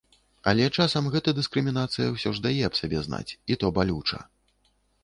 Але часам гэта дыскрымінацыя ўсё ж дае аб сабе знаць, і то балюча.